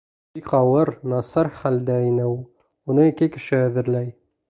Бик ауыр, насар хәлдә ине ул. Уны ике кеше әҙерләй.